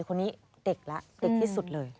คนนี้เด็กแล้วเด็กที่สุดเลย